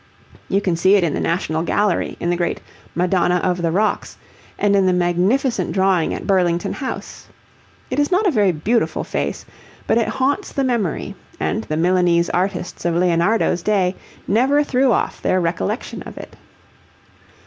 You can see it in the National Gallery in the great 'Madonna of the Rocks,' and in the magnificent drawing at Burlington House. It is not a very beautiful face, but it haunts the memory, and the Milanese artists of Leonardo's day never threw off their recollection of it.